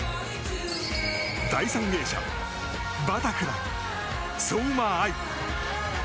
第３泳者バタフライ、相馬あい。